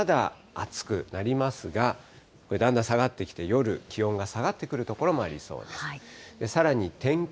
関東から西、まだ暑くなりますが、これだんだん下がってきて、夜、気温が下がってくる所もありそうです。